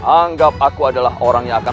anggap aku adalah orang yang akan